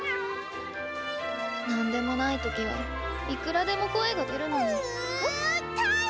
なんでもないときはいくらでも声が出るのに。